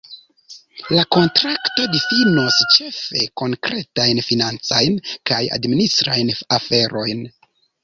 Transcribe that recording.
La kontrakto difinos ĉefe konkretajn financajn kaj administrajn aferojn.